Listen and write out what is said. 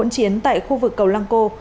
súng tại khu vực cầu lăng cô